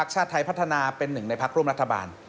ชาติไทยพัฒนาเป็นหนึ่งในพักร่วมรัฐบาล